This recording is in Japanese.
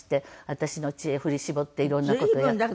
私の知恵振り絞って色んな事やって。